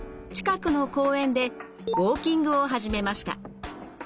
近くの公園でウォーキングを始めました。